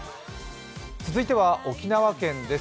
続いては沖縄県です。